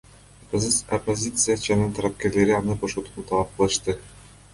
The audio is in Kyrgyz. Оппозициячынын тарапкерлери аны бошотууну талап кылышты.